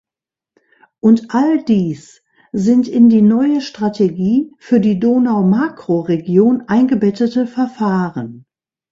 Und all dies sind in die neue Strategie für die Donau-Makroregion eingebettete Verfahren.